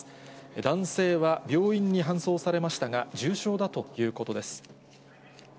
男性は病院に搬送されましたが、重傷だということです。